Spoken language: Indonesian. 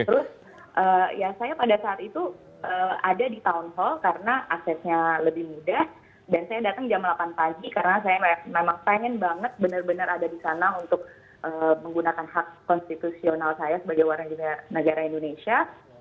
terus ya saya pada saat itu ada di town hall karena aksesnya lebih mudah dan saya datang jam delapan pagi karena saya memang pengen banget benar benar ada di sana untuk menggunakan hak konstitusional saya sebagai warga negara indonesia